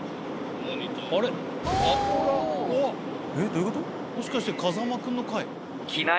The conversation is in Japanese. もしかして風間君の回？あれ！